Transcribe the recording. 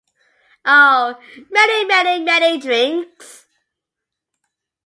Oh, many, many, many drinks.